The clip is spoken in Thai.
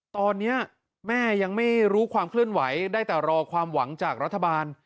ตอนนี้แม่ยังไม่รู้ความเคลื่อนไหวได้แต่รอความหวังจากรัฐบาล